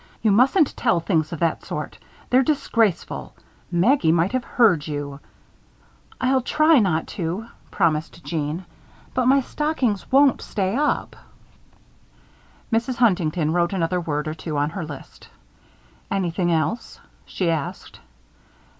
"You mustn't tell things of that sort. They're disgraceful. Maggie might have heard you." "I'll try not to," promised Jeanne. "But my stockings won't stay up." Mrs. Huntington wrote another word or two on her list. "Anything else?" she asked.